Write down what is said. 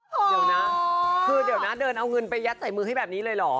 เดี๋ยวนะคือเดี๋ยวนะเดินเอาเงินไปยัดใส่มือให้แบบนี้เลยเหรอ